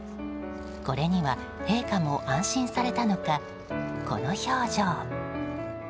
これには陛下も安心されたのかこの表情。